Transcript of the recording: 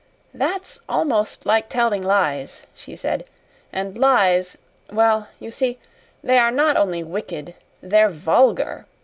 "That's almost like telling lies," she said. "And lies well, you see, they are not only wicked they're VULGAR.